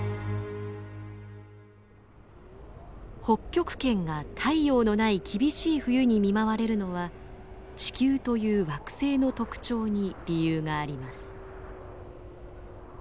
北極圏が太陽のない厳しい冬に見舞われるのは地球という惑星の特徴に理由があります。